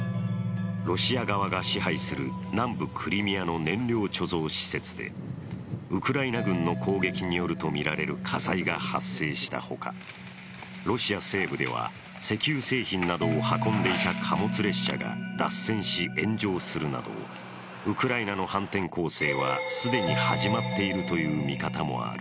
ロシア側が支配する南部クリミアの燃料貯蔵施設でウクライナ軍の攻撃によるとみられる火災が発生したほかロシア西部では、石油製品などを運んでいた貨物列車が脱線し炎上するなどウクライナの反転攻勢は既に始まっているという見方もある。